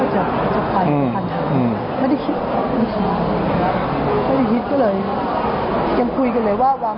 จริงพูดตำเลยว่าเราไม่คิดว่าพี่ตัวจะไปบนภาษณ์